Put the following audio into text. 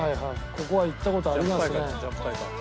ここは行った事ありますね。